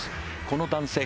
この男性